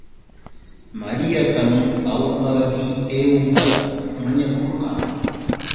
Mariatam awhariieuta mañakurqaa